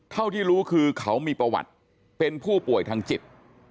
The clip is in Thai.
เท่าที่รู้คือเขามีประวัติเป็นผู้ป่วยทางจิต